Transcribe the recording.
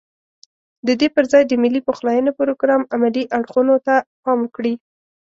ددې پرځای د ملي پخلاينې پروګرام عملي اړخونو ته پام وکړي.